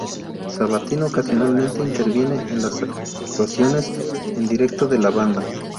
Sabatino ocasionalmente interviene en las actuaciones en directo de la banda.